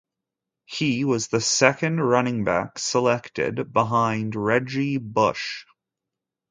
He was the second running back selected behind Reggie Bush.